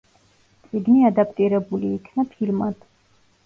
წიგნი ადაპტირებული იქნა ფილმად.